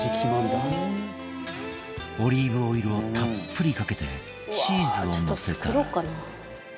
オリーブオイルをたっぷりかけてチーズをのせたら